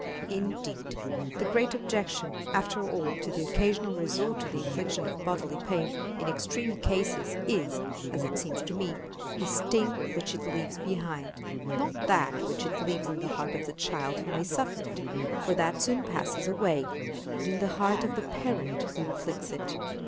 Indeed, the great objection, after all, to the occasional resort to the infliction of bodily pain in extreme cases is, as it seems to me, the sting which it leaves behind; not that, which it leaves in the heart of the child who may suffer it for that soon passes away but in the heart of the parent who inflicts it.